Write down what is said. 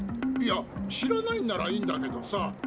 いや知らないんならいいんだけどさ。